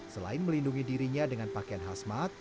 selain melindungi dirinya dengan pakaian khas mat